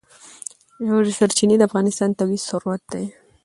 ژورې سرچینې د افغانستان طبعي ثروت دی.